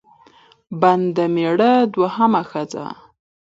بن د مېړه دوهمه ښځه